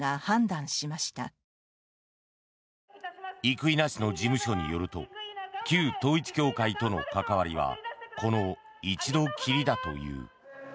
生稲氏の事務所によると旧統一教会との関わりはこの一度きりだという。